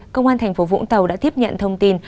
công an tp vũng tàu đã tiếp nhận thông tin